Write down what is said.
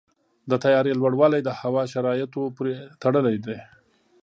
د طیارې لوړوالی د هوا شرایطو پورې تړلی دی.